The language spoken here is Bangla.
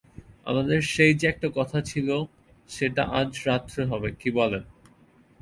আমাদের সেই-যে একটা কথা ছিল সেটা আজ রাত্রে হবে, কী বলেন?